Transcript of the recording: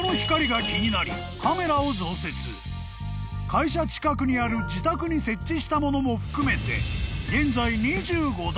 ［会社近くにある自宅に設置したものも含めて］